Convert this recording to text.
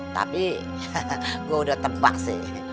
tapi gue udah tebak sih